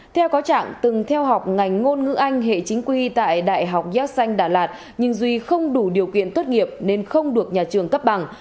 theo có trạng từng theo học ngành ngôn ngữ anh hệ chính quy tại đại học yass xanh đà lạt nhưng duy không đủ điều kiện tốt nghiệp nên không được nhà trường cấp bằng